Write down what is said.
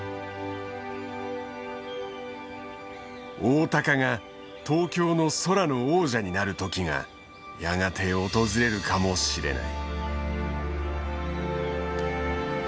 オオタカが東京の空の王者になる時がやがて訪れるかもしれない。